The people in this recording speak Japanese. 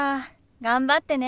頑張ってね。